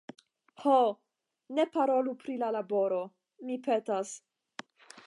Ho, ne parolu pri la laboro, mi petas.